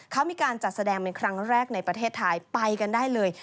เขามีการจัดแสดงเป็นครั้งแรกในประเทศไทยไปกันได้เลย